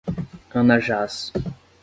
Anajás